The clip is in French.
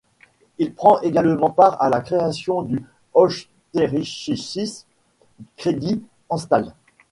Il prend également part à la création du Österreichische Credit-Anstalt.